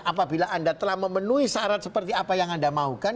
apabila anda telah memenuhi syarat seperti apa yang anda maukan